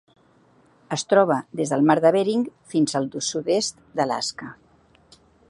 Es troba des del mar de Bering fins al sud-est d'Alaska.